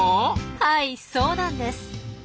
はいそうなんです。